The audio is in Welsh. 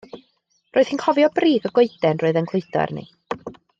Roedd hi'n cofio brig y goeden roedd e'n clwydo arni.